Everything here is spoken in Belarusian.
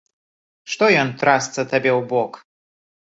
Што ён, трасца табе ў бок?